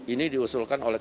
ini diusulkan oleh